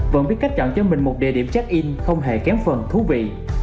vẫn biết cách chọn cho mình một địa điểm check in không hề kém phần thú vị